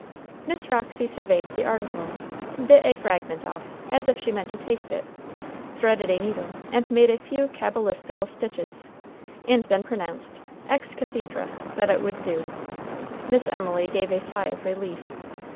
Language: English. Miss Roxy surveyed the article; bit a fragment off, as if she meant to taste it; threaded a needle and made a few cabalistical stitches; and then pronounced, ex cathedrâ, that it would do. Miss Emily gave a sigh of relief.